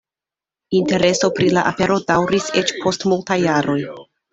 Intereso pri la afero daŭris eĉ post multaj jaroj.